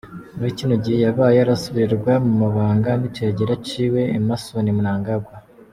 Muri kino gihe yabaye arasubirirwa mu mabanga n'icegera ciwe Emmerson Mnangagwa.